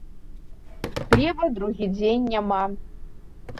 Хлеба другі дзень няма.